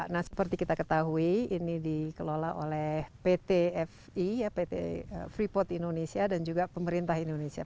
nah seperti kita ketahui ini dikelola oleh pt fi ya pt freeport indonesia dan juga pemerintah indonesia